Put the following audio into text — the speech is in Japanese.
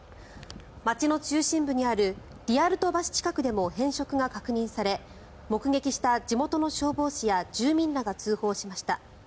街の中心部にあるリアルト橋近くでも変色が確認され目撃した地元の消防士や住民らが通報しました。